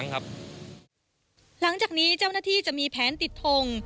หลังจากนี้เจ้าหน้าที่จะมีแผนติดทง